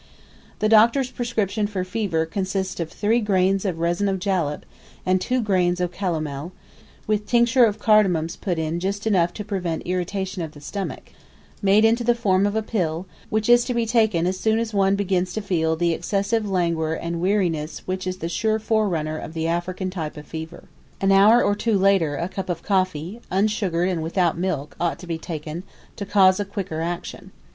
The Doctor's prescription for fever consists of 3 grains of resin of jalap, and 2 grains of calomel, with tincture of cardamoms put in just enough to prevent irritation of the stomach made into the form of a pill which is to be taken as soon as one begins to feel the excessive languor and weariness which is the sure forerunner of the African type of fever. An hour or two later a cup of coffee, unsugared and without milk, ought to be taken, to cause a quicker action.